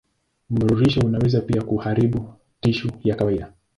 Mnururisho unaweza pia kuharibu tishu ya kawaida.